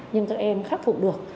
nhưng các em khắc phục được